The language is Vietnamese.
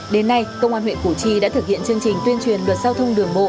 đến nay công an huyện củ chi đã thực hiện chương trình tuyên truyền luật giao thông đường bộ